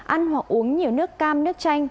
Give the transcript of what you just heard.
ăn hoặc uống nhiều nước cam nước chanh